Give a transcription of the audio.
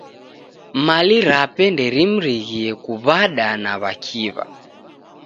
Mali rape nderimghirie kuw'ada na w'akiw'a.